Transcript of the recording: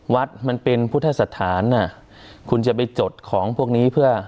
วัดมันเป็นพุทธสถานคุณจะไปจดของพวกนี้เพื่อ